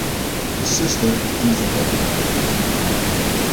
His sister is Deta Hedman.